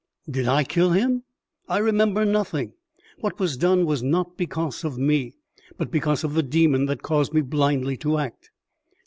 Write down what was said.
"Did I kill him? I remember nothing. What was done was not because of me, but because of the demon that caused me blindly to act."